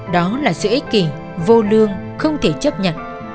đó là sự ích kỷ vô lương không thể chấp nhận